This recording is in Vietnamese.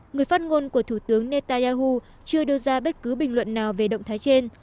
người phát ngôn của thủ tướng netanyahu chưa đưa ra bất cứ bình luận nào về động thái trên